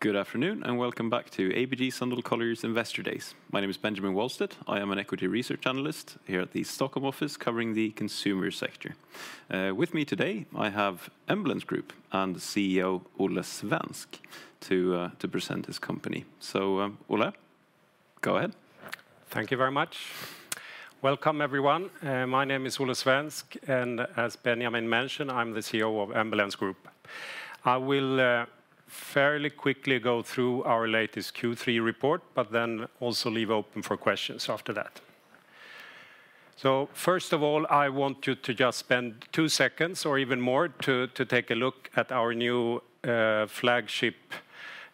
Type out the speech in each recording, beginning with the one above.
Good afternoon, and welcome back to ABG Sundal Collier's Investor Days. My name is Benjamin Wahlstedt. I am an equity research analyst here at the Stockholm office, covering the consumer sector. With me today, I have Embellence Group and CEO Olle Svensk to present his company. So, Olle, go ahead. Thank you very much. Welcome, everyone. My name is Olle Svensk, and as Benjamin mentioned, I'm the CEO of Embellence Group. I will fairly quickly go through our latest Q3 report, but then also leave open for questions after that. So first of all, I want you to just spend two seconds or even more to take a look at our new flagship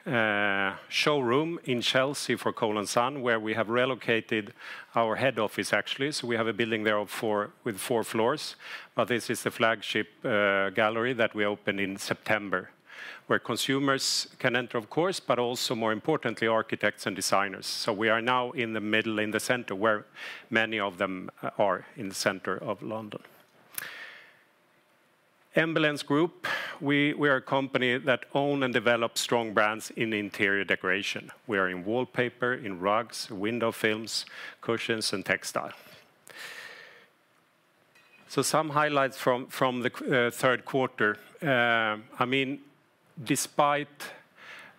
showroom in Chelsea for Cole & Son, where we have relocated our head office, actually. So we have a building there with four floors, but this is the flagship gallery that we opened in September, where consumers can enter, of course, but also more importantly, architects and designers. So we are now in the middle, in the center, where many of them are, in the center of London. Embellence Group, we are a company that own and develop strong brands in interior decoration. We are in wallpaper, in rugs, window films, cushions, and textile. So some highlights from the Q3. I mean, despite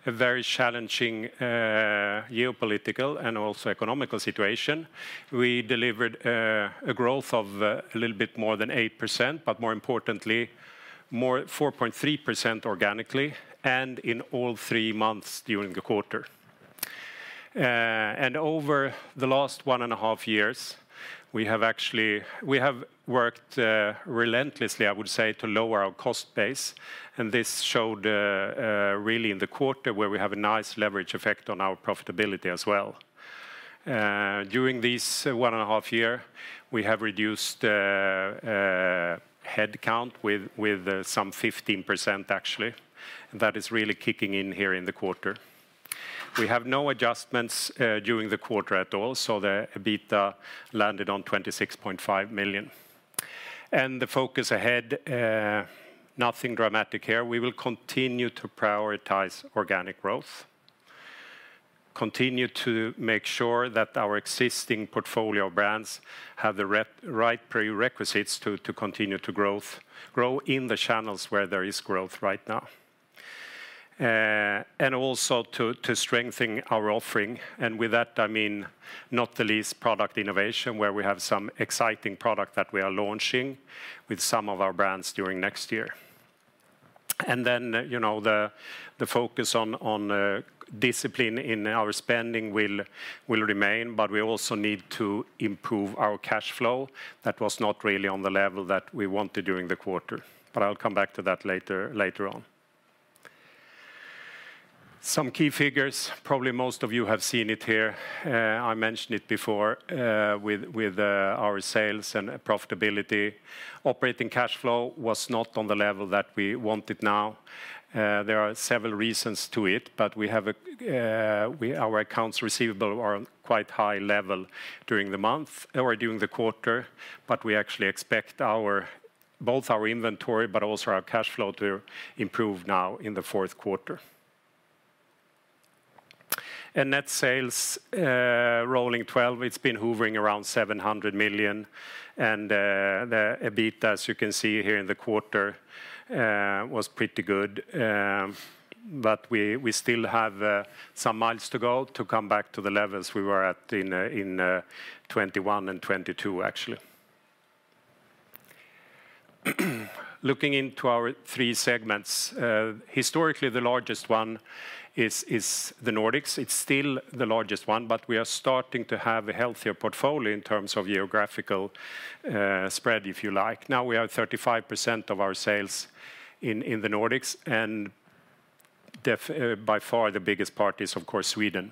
a very challenging geopolitical and also economic situation, we delivered a growth of a little bit more than 8%, but more importantly, more 4.3% organically, and in all three months during the quarter. And over the last one and a half years, we have actually worked relentlessly, I would say, to lower our cost base, and this showed really in the quarter, where we have a nice leverage effect on our profitability as well. During this one and a half year, we have reduced headcount with some 15%, actually. That is really kicking in here in the quarter. We have no adjustments during the quarter at all, so the EBITDA landed on 26.5 million. The focus ahead, nothing dramatic here. We will continue to prioritize organic growth, continue to make sure that our existing portfolio brands have the right prerequisites to continue to grow in the channels where there is growth right now. And also to strengthen our offering, and with that, I mean, not the least, product innovation, where we have some exciting product that we are launching with some of our brands during next year. And then, you know, the focus on discipline in our spending will remain, but we also need to improve our cash flow. That was not really on the level that we wanted during the quarter, but I'll come back to that later, later on. Some key figures, probably most of you have seen it here. I mentioned it before, with our sales and profitability. Operating cash flow was not on the level that we wanted now. There are several reasons to it, but our accounts receivable are quite high level during the month or during the quarter, but we actually expect both our inventory but also our cash flow to improve now in the Q4. Net sales, rolling twelve, it's been hovering around 700 million, and the EBITDA, as you can see here in the quarter, was pretty good. But we still have some miles to go to come back to the levels we were at in 2021 and 2022, actually. Looking into our three segments, historically, the largest one is the Nordics. It's still the largest one, but we are starting to have a healthier portfolio in terms of geographical spread, if you like. Now, we have 35% of our sales in the Nordics, and by far, the biggest part is, of course, Sweden.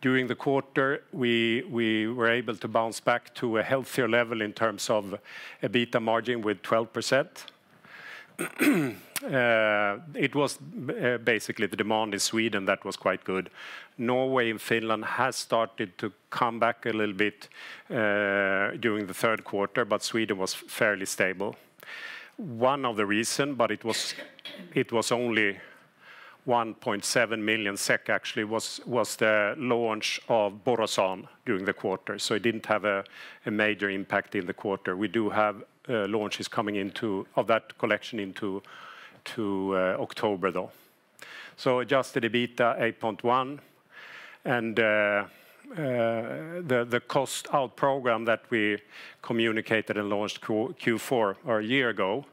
During the quarter, we were able to bounce back to a healthier level in terms of EBITDA margin with 12%. It was basically the demand in Sweden that was quite good. Norway and Finland has started to come back a little bit during the Q3, but Sweden was fairly stable. One of the reasons, but it was only 1.7 million SEK. Actually, it was the launch of Borosan during the quarter, so it didn't have a major impact in the quarter. We do have launches coming into October of that collection, though. So adjusted EBITDA 8.1 million SEK, and the cost-out program that we communicated and launched Q4 or a year ago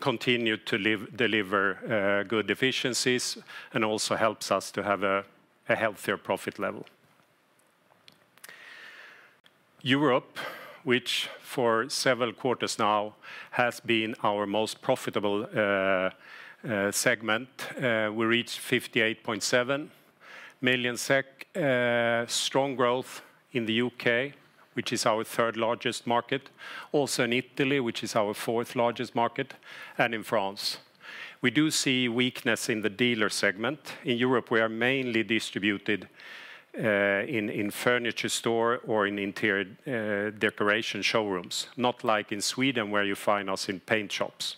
continued to deliver good efficiencies and also helps us to have a healthier profit level. Europe, which for several quarters now has been our most profitable segment, we reached 58.7 million SEK. Strong growth in the U.K., which is our third largest market, also in Italy, which is our fourth largest market, and in France. We do see weakness in the dealer segment. In Europe, we are mainly distributed in furniture store or in interior decoration showrooms, not like in Sweden, where you find us in paint shops.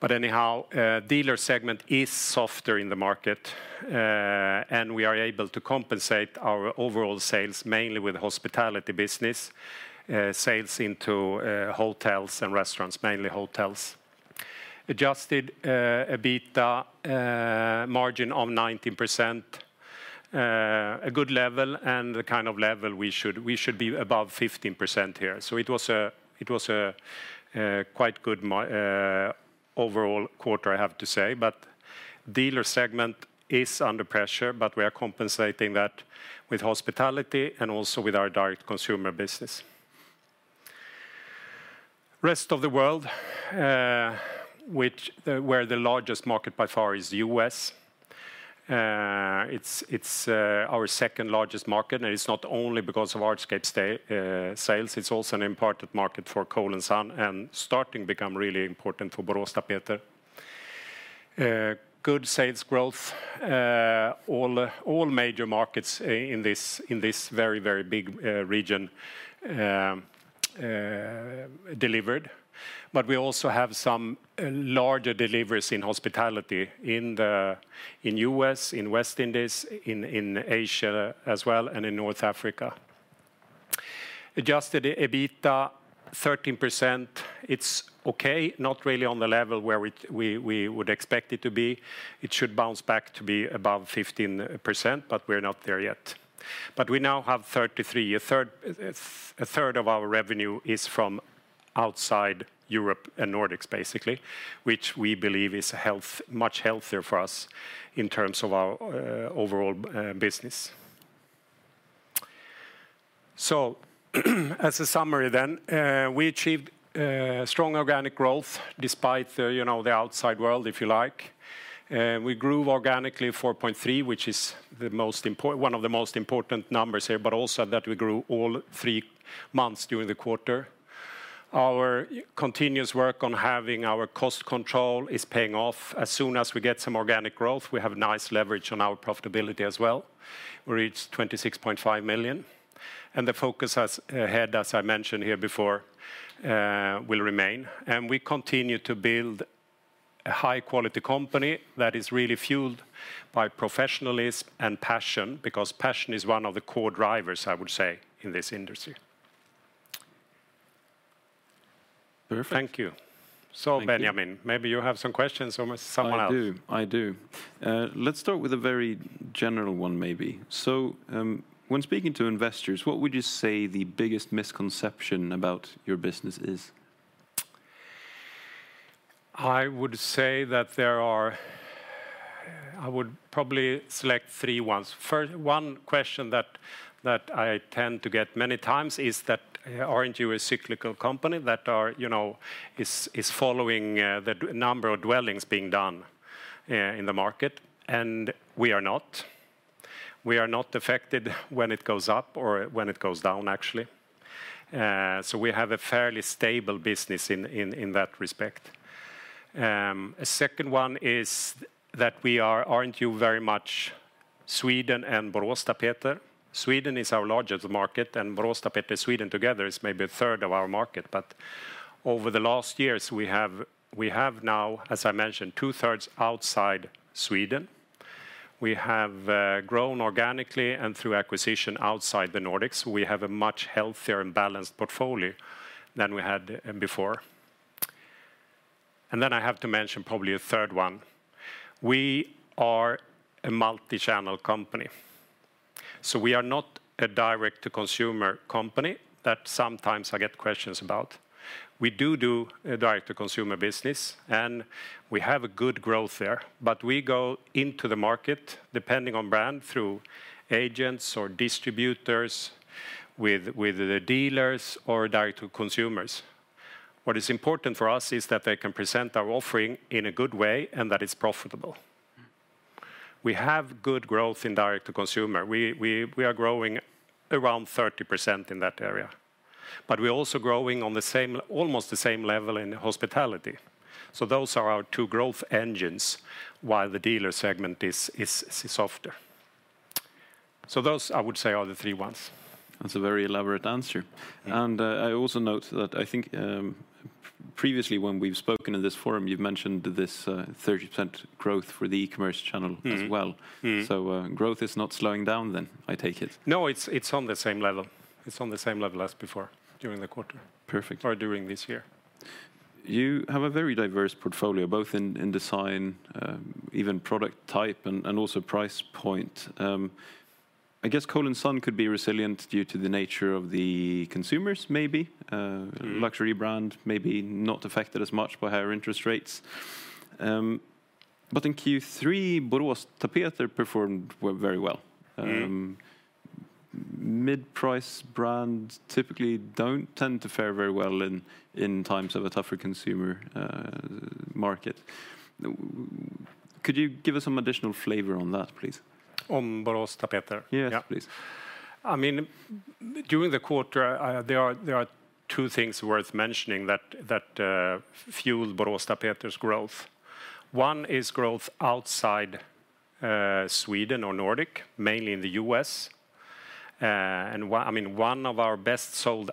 But anyhow, dealer segment is softer in the market, and we are able to compensate our overall sales mainly with hospitality business, sales into hotels and restaurants, mainly hotels. Adjusted EBITDA margin of 19%, a good level, and the kind of level we should be above 15% here. So it was a quite good overall quarter, I have to say. But dealer segment is under pressure, but we are compensating that with hospitality and also with our direct consumer business. Rest of the world, which where the largest market by far is US. It's our second largest market, and it's not only because of Artscape sales, it's also an important market for Cole & Son, and starting to become really important for Boråstapeter. Good sales growth, all major markets in this very big region delivered. But we also have some larger deliveries in hospitality in the U.S., in West Indies, in Asia as well, and in North Africa. Adjusted EBITDA 13%, it's okay, not really on the level where we would expect it to be. It should bounce back to be above 15%, but we're not there yet. But we now have 33. A third... A third of our revenue is from outside Europe and Nordics, basically, which we believe is healthier for us in terms of our overall business. So as a summary then, we achieved strong organic growth despite the, you know, the outside world, if you like. We grew organically 4.3%, which is one of the most important numbers here, but also that we grew all three months during the quarter. Our continuous work on having our cost control is paying off. As soon as we get some organic growth, we have nice leverage on our profitability as well, where it's 26.5 million. The focus going ahead, as I mentioned here before, will remain, and we continue to build a high-quality company that is really fueled by professionalism and passion, because passion is one of the core drivers, I would say, in this industry. Perfect. Thank you. Thank you. Benjamin, maybe you have some questions or someone else? I do. I do. Let's start with a very general one, maybe. So, when speaking to investors, what would you say the biggest misconception about your business is? I would say that there are... I would probably select three ones. First, one question that I tend to get many times is that, "Aren't you a cyclical company that are, you know, is following the number of dwellings being done in the market?" And we are not. We are not affected when it goes up or when it goes down, actually. So we have a fairly stable business in that respect. A second one is that we are, "Aren't you very much Sweden and Boråstapeter?" Sweden is our largest market, and Boråstapeter Sweden together is maybe a third of our market. But over the last years, we have, we have now, as I mentioned, two-thirds outside Sweden. We have grown organically and through acquisition outside the Nordics. We have a much healthier and balanced portfolio than we had before. And then I have to mention probably a third one. We are a multi-channel company, so we are not a direct-to-consumer company that sometimes I get questions about. We do do a direct-to-consumer business, and we have a good growth there, but we go into the market, depending on brand, through agents or distributors with the dealers or direct to consumers. What is important for us is that they can present our offering in a good way, and that it's profitable. Mm-hmm. We have good growth in direct-to-consumer. We are growing around 30% in that area, but we're also growing on the same, almost the same level in hospitality. So those are our two growth engines, while the dealer segment is softer. So those, I would say, are the three ones. That's a very elaborate answer. Yeah. I also note that I think, previously, when we've spoken in this forum, you've mentioned this 30% growth for the e-commerce channel as well. Mm-hmm. Mm-hmm. So, growth is not slowing down then, I take it? No, it's on the same level. It's on the same level as before during the quarter- Perfect... or during this year. You have a very diverse portfolio, both in design, even product type, and also price point. I guess Cole & Son could be resilient due to the nature of the consumers, maybe? Mm-hmm. Luxury brand may be not affected as much by higher interest rates. But in Q3, Boråstapeter performed very well. Mm-hmm. Mid-price brands typically don't tend to fare very well in times of a tougher consumer market. Could you give us some additional flavor on that, please? On Boråstapeter? Yes, please. I mean, during the quarter, there are two things worth mentioning that fueled Boråstapeter's growth. One is growth outside Sweden or Nordic, mainly in the U.S. And one, I mean, one of our best sold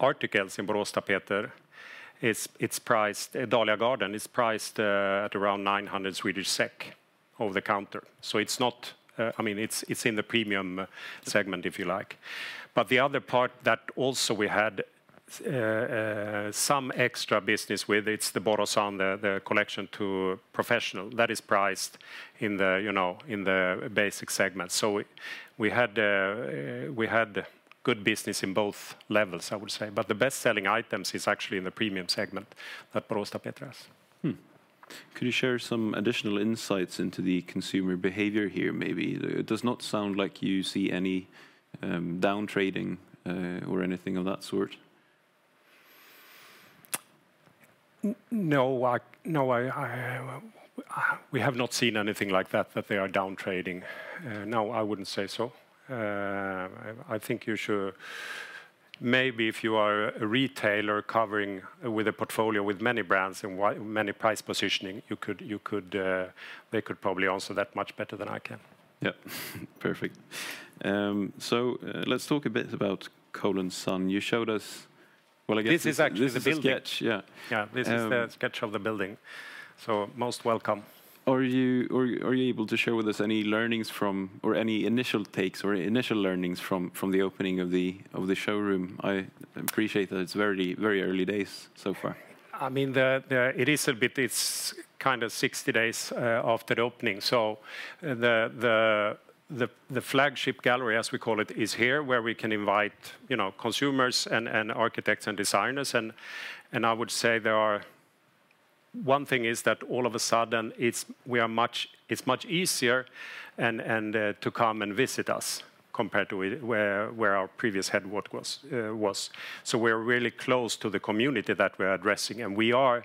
articles in Boråstapeter is, it's priced, Dahlia Garden, is priced at around 900 Swedish SEK over the counter. So it's not, I mean, it's in the premium segment, if you like. But the other part that also we had some extra business with, it's the Borosan, the collection to professional. That is priced in the, you know, in the basic segment. So we had good business in both levels, I would say. But the best-selling items is actually in the premium segment at Boråstapeter's. Hmm. Could you share some additional insights into the consumer behavior here, maybe? It does not sound like you see any, down trading, or anything of that sort. No, no, I, we have not seen anything like that, that they are down trading. No, I wouldn't say so. I think you should... Maybe if you are a retailer covering with a portfolio with many brands and many price positioning, you could, they could probably answer that much better than I can. Yeah. Perfect. So, let's talk a bit about Cole & Son. You showed us, well, I guess- This is actually the building. This is a sketch, yeah. Yeah. Um- This is the sketch of the building, so most welcome. Are you able to share with us any learnings from or any initial takes or initial learnings from the opening of the showroom? I appreciate that it's very, very early days so far. I mean, it is a bit, it's kind of 60 days after opening. So the flagship gallery, as we call it, is here, where we can invite, you know, consumers and architects and designers. And I would say there are... One thing is that all of a sudden, it's much easier to come and visit us compared to where our previous head was. So we're really close to the community that we're addressing, and we are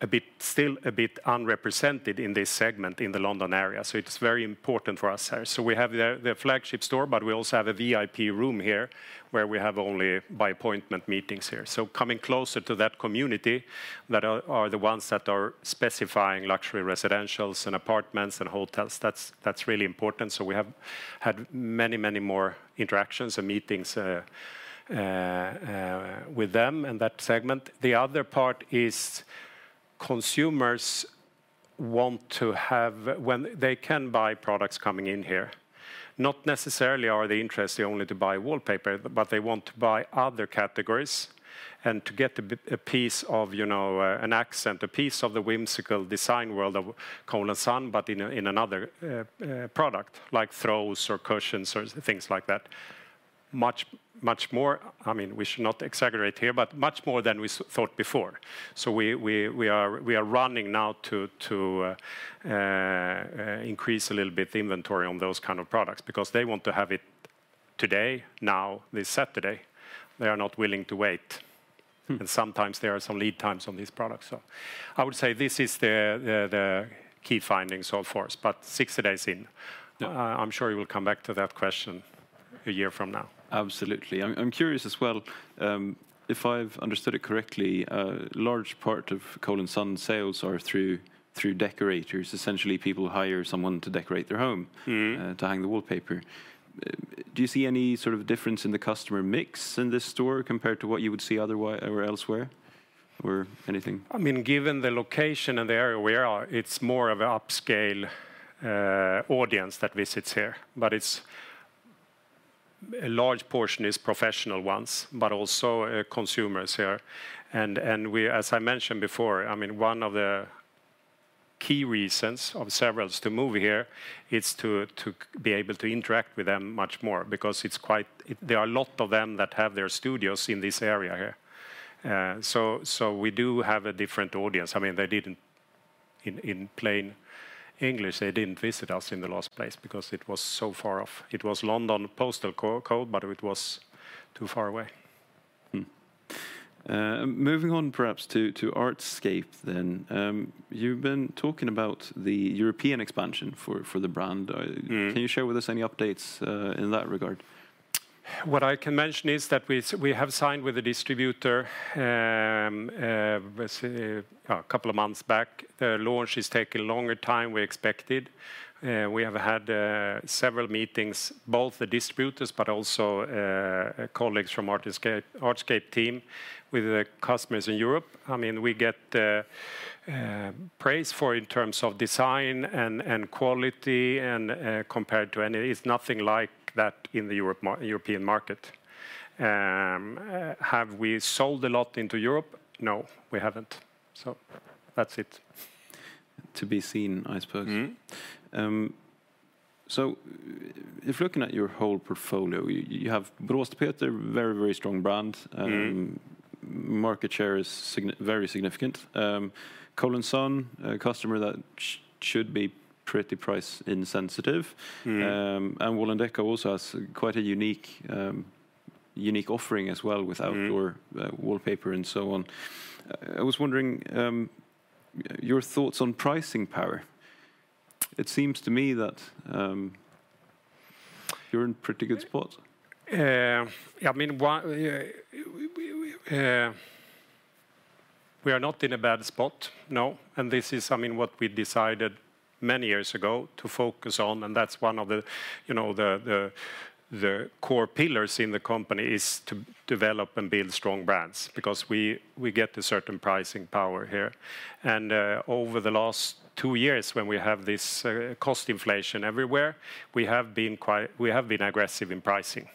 a bit, still a bit unrepresented in this segment in the London area, so it's very important for us here. So we have the flagship store, but we also have a VIP room here, where we have only by appointment meetings here. So coming closer to that community that are the ones that are specifying luxury residentials and apartments and hotels, that's really important. So we have had many, many more interactions and meetings with them in that segment. The other part is consumers want to have... When they can buy products coming in here, not necessarily are they interested only to buy wallpaper, but they want to buy other categories and to get a bit, a piece of, you know, an accent, a piece of the whimsical design world of Cole & Son, but in a, in another, product, like throws or cushions or things like that. Much, much more, I mean, we should not exaggerate here, but much more than we thought before. So we are running now to increase a little bit the inventory on those kind of products because they want to have it today, now, this Saturday. They are not willing to wait. Hmm. Sometimes there are some lead times on these products. So I would say this is the key findings so far, but 60 days in. Yeah. I'm sure you will come back to that question a year from now. Absolutely. I'm curious as well, if I've understood it correctly, a large part of Cole & Son sales are through decorators. Essentially, people hire someone to decorate their home- Mm-hmm... to hang the wallpaper. Do you see any sort of difference in the customer mix in this store compared to what you would see otherwise or elsewhere, or anything? I mean, given the location and the area we are, it's more of an upscale audience that visits here, but it's a large portion is professional ones, but also consumers here. And we, as I mentioned before, I mean, one of the key reasons of several to move here is to be able to interact with them much more because it's quite. There are a lot of them that have their studios in this area here. So we do have a different audience. I mean, they didn't, in plain English, they didn't visit us in the last place because it was so far off. It was London postcode, but it was too far away. Moving on perhaps to Artscape then. You've been talking about the European expansion for the brand. Mm-hmm. Can you share with us any updates in that regard? What I can mention is that we have signed with a distributor, a couple of months back. The launch has taken longer time we expected. We have had several meetings, both the distributors, but also, colleagues from Artscape team with the customers in Europe. I mean, we get praise for in terms of design and quality and compared to any, it's nothing like that in the European market. Have we sold a lot into Europe? No, we haven't. So that's it. To be seen, I suppose. Mm-hmm. So, if looking at your whole portfolio, you have Boråstapeter, very, very strong brand- Mm-hmm... market share is very significant. Cole & Son, a customer that should be pretty price insensitive. Mm-hmm. And Wall&decò also has quite a unique offering as well. Mm-hmm... with outdoor wallpaper and so on. I was wondering, your thoughts on pricing power. It seems to me that you're in pretty good spot. I mean, one, we are not in a bad spot, no, and this is, I mean, what we decided many years ago to focus on, and that's one of the, you know, the core pillars in the company is to develop and build strong brands, because we get a certain pricing power here. And over the last two years, when we have this cost inflation everywhere, we have been quite aggressive in pricing.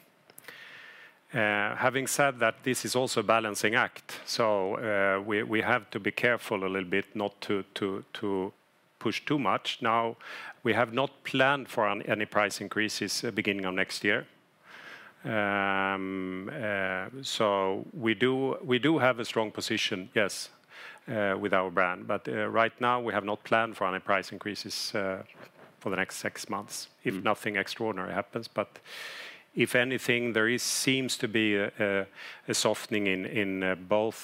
Having said that, this is also a balancing act, so we have to be careful a little bit not to push too much. Now, we have not planned for any price increases at beginning of next year. So we do, we do have a strong position, yes, with our brand, but right now, we have not planned for any price increases for the next six months, if nothing extraordinary happens. But if anything, there seems to be a softening in both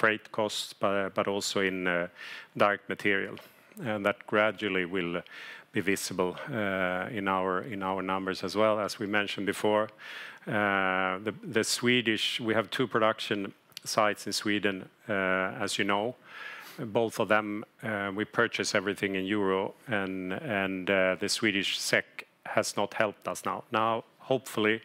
freight costs, but also in direct material, and that gradually will be visible in our numbers as well. As we mentioned before, we have two production sites in Sweden, as you know. Both of them, we purchase everything in euro, and the Swedish SEK has not helped us now. Now, hopefully,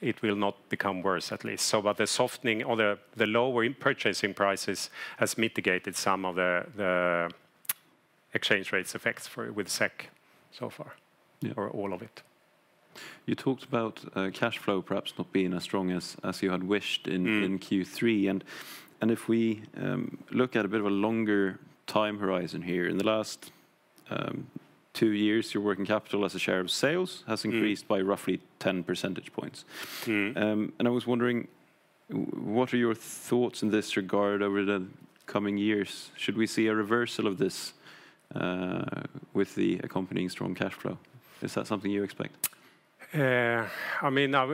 it will not become worse, at least. But the softening or the lower in purchasing prices has mitigated some of the exchange rates effects with SEK so far- Yeah... or all of it. You talked about cash flow perhaps not being as strong as you had wished in- Mm... in Q3. And if we look at a bit of a longer time horizon here, in the last two years, your working capital as a share of sales- Mm... has increased by roughly 10 percentage points. Mm. I was wondering, what are your thoughts in this regard over the coming years? Should we see a reversal of this, with the accompanying strong cash flow? Is that something you expect? I mean, now,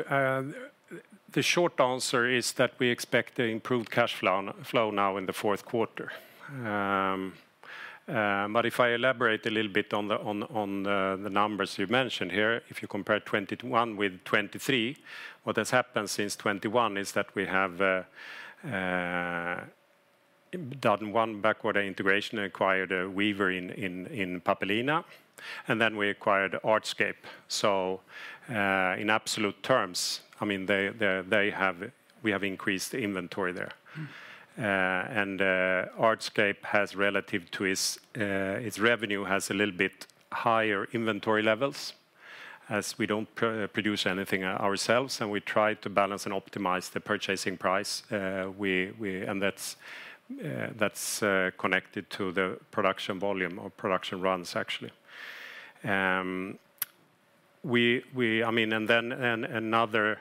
the short answer is that we expect an improved cash flow now in the Q4. But if I elaborate a little bit on the numbers you mentioned here, if you compare 2021 with 2023, what has happened since 2021 is that we have done one backward integration, acquired a weaver in Pappelina, and then we acquired Artscape. So, in absolute terms, I mean, we have increased the inventory there. Mm. Artscape has, relative to its revenue, a little bit higher inventory levels, as we don't produce anything ourselves, and we try to balance and optimize the purchasing price. And that's connected to the production volume or production runs, actually. I mean, and then, another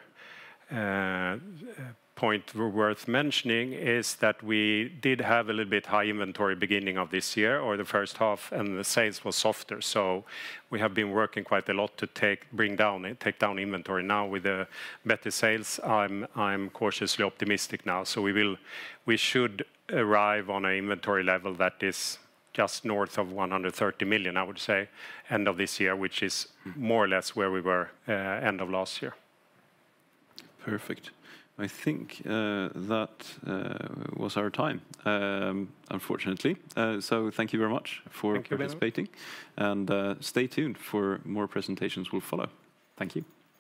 point worth mentioning is that we did have a little bit high inventory beginning of this year or the H1, and the sales was softer. So we have been working quite a lot to bring down and take down inventory. Now, with the better sales, I'm cautiously optimistic now. So we should arrive on a inventory level that is just north of 130 million, I would say, end of this year, which is- Mm... more or less where we were, end of last year. Perfect. I think that was our time, unfortunately. So thank you very much for participating. Thank you very much. Stay tuned for more presentations will follow. Thank you.